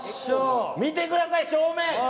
見てください、正面。